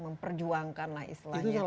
memperjuangkanlah istilahnya kemerdekaan